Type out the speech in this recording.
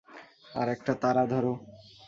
আর একটা তারা ধরো।